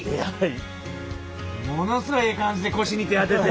ものすごいええ感じで腰に手当てて。